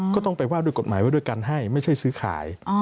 ก็ต้องไปว่าด้วยกฎหมายไว้ด้วยการให้ไม่ใช่ซื้อขาย